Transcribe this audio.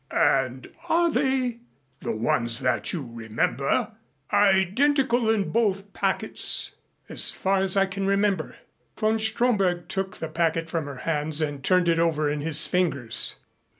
"And are they, the ones that you remember, identical in both packets?" "As far as I can remember." Von Stromberg took the packet from her hands and turned it over in his fingers.